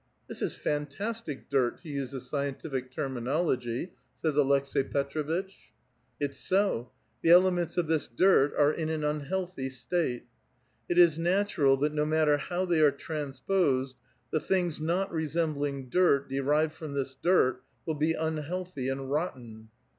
" This is fantastic dirt, to use the scientific terminology," Bays Aleks6i Petr6vitch. *' It's so ; the elements of this dirt are in an unhealthy state. It is natural that no matter how they are transposed, the things not resembling dirt, derived from this dirt will be unhealthy and rotten."